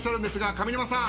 上沼さん。